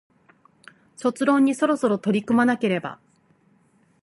卒論にそろそろ取り組まなければ